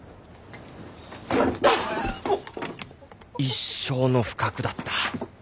一生の不覚だった。